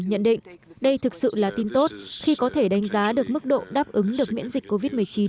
nhận định đây thực sự là tin tốt khi có thể đánh giá được mức độ đáp ứng được miễn dịch covid một mươi chín